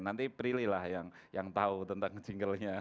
nanti prilly lah yang tahu tentang jinglenya